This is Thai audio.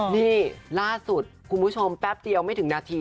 นี่ล่าสุดคุณผู้ชมแป๊บเดียวไม่ถึงนาที